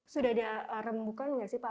sudah ada rembukan nggak sih pak